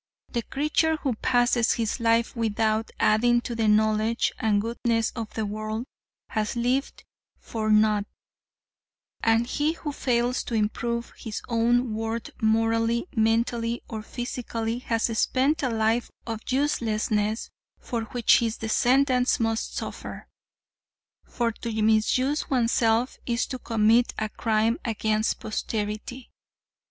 The creature who passes his life without adding to the knowledge and goodness of the world has lived for naught, and he who fails to improve his own worth morally, mentally or physically has spent a life of uselessness for which his descendants must suffer; for to misuse oneself is to commit a crime against posterity.